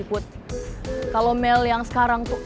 ternyata dulunya cuman jadi dayang dayangnya naomi